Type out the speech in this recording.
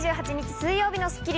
水曜日の『スッキリ』です。